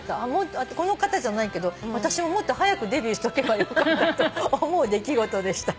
この方じゃないけど私ももっと早くデビューしとけばよかったと思う出来事でした。